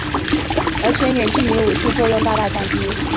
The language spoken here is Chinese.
而且远距离武器作用大大降低。